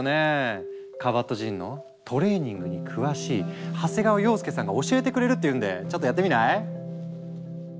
カバットジンのトレーニングに詳しい長谷川洋介さんが教えてくれるって言うんでちょっとやってみない？